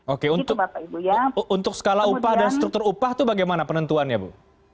oke untuk skala upah dan struktur upah itu bagaimana penentuannya bu